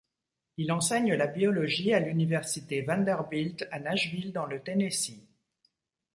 Il enseigne la biologie à l’université Vanderbilt à Nashville dans le Tennessee.